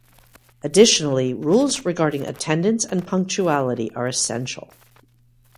Additionally, rules regarding attendance and punctuality are essential.